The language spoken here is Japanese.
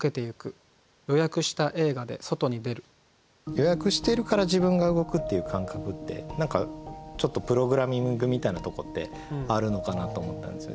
予約しているから自分が動くっていう感覚って何かちょっとプログラミングみたいなとこってあるのかなと思ったんですよ。